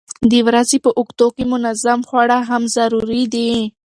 د ورځې په اوږدو کې منظم خواړه هم ضروري دي.